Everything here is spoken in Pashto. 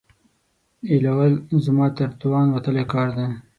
ایېلول زما تر توان وتلی کار دی.